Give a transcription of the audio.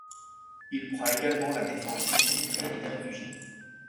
Il prend également la défense des immigrés et des réfugiés.